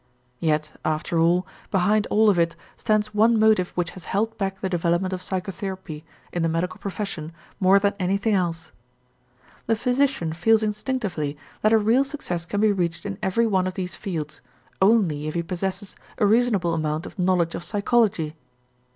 Yet after all, behind all of it stands one motive which has held back the development of psychotherapy in the medical profession more than anything else. The physician feels instinctively that a real success can be reached in every one of these fields, only if he possesses a reasonable amount of knowledge of psychology.